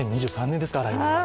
２０２３年ですか、来年は。